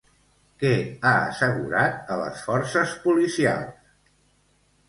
Què ha assegurat a les forces policials?